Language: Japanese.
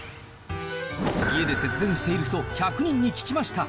家で節電している人１００人に聞きました。